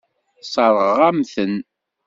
Sseṛɣeɣ-am-ten.